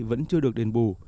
vẫn chưa được đền bù